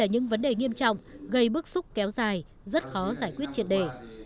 những vấn đề nghiêm trọng gây bức xúc kéo dài rất khó giải quyết triệt đề